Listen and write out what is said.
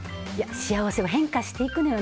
幸せは変化していくのよ。